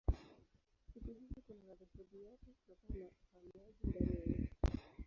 Siku hizi kuna madhehebu yote kutokana na uhamiaji ndani ya nchi.